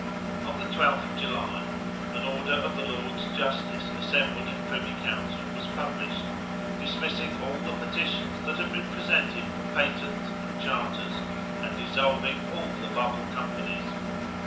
On the 12th of July, an order of the Lords Justices assembled in privy council was published, dismissing all the petitions that had been presented for patents and charters, and dissolving all the bubble companies.